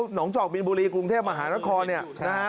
หนองจอกบินบุรีกรุงเทพมหานครเนี่ย